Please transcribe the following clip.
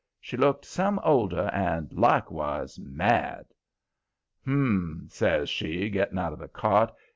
She looked some older and likewise mad. "Hum!" says she, getting out of the cart.